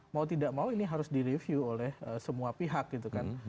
mau tidak mau ini harus direview oleh semua pihak gitu kan